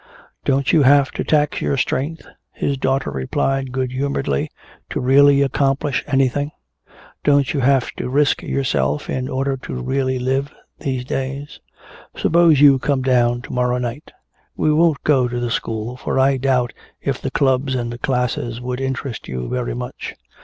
"Don't you have to tax your strength," his daughter replied good humoredly, "to really accomplish anything? Don't you have to risk yourself in order to really live these days? Suppose you come down to morrow night. We won't go to the school, for I doubt if the clubs and classes would interest you very much.